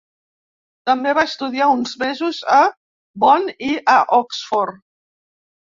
També va estudiar uns mesos a Bonn i a Oxford.